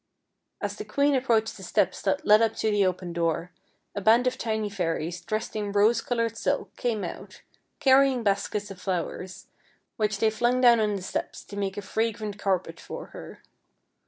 As the queen approached the steps that led up to the open door, a band of tiny fairies, dressed in rose colored silk, came out, carrying baskets of flowers, which they flung down on the steps to make a fragrant carpet for her.